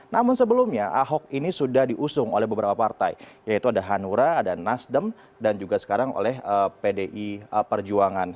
namun sebelumnya ahok ini sudah diusung oleh beberapa partai yaitu ada hanura ada nasdem dan juga sekarang oleh pdi perjuangan